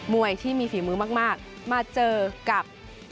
วยที่มีฝีมือมากมาเจอกับ